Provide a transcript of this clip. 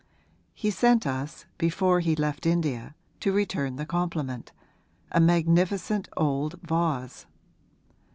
He sent us, before he left India to return the compliment a magnificent old vase.'